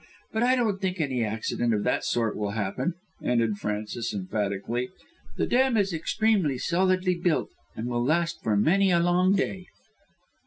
But I don't think any accident of that sort will happen," ended Frances emphatically; "The dam is extremely solidly built and will last for many a long day."